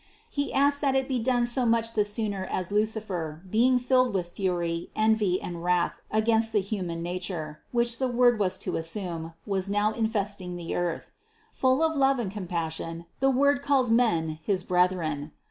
He asked that it be done so much the sooner as Lucifer, being filled with fury, envy and wrath against the human nature, which the Wrord was to assume, was now infesting the earth. Full of love and compassion the Word calls men his brethren.